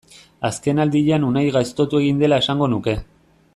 Azkenaldian Unai gaiztotu egin dela esango nuke.